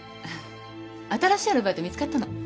新しいアルバイト見つかったの。